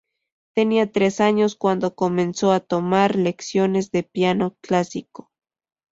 Tenía tres años cuando comenzó a tomar lecciones de piano clásico.